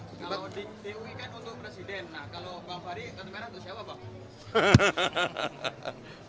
kalau di ui kan untuk presiden nah kalau pak fahri kartu merah itu siapa pak